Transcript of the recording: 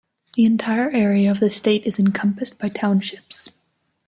The entire area of the state is encompassed by townships.